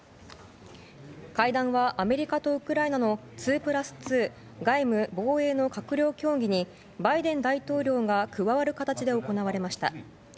会談はアメリカとウクライナの２プラス２外務・防衛の閣僚協議にバイデン大統領が加わる形で行われました。